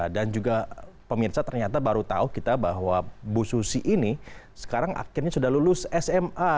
dan juga pemirsa ternyata baru tahu kita bahwa bu susi ini sekarang akhirnya sudah lulus sma